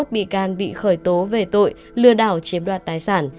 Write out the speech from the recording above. ba mươi một bị can bị khởi tố về tội lừa đảo chiếm đoạt tái sản